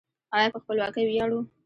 آیا په خپلواکۍ ویاړو؟